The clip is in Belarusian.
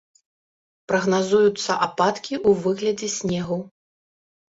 Прагназуюцца ападкі ў выглядзе снегу.